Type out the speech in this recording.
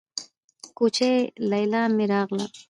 کوچۍ ليلا مې راغله.